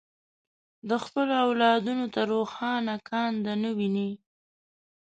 د خپلو اولادونو ته روښانه ګانده نه ویني.